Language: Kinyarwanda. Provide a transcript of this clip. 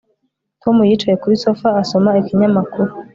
Tom yicaye kuri sofa asoma ikinyamakuru